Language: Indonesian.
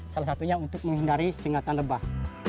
salah satunya untuk menghindari singatan lebah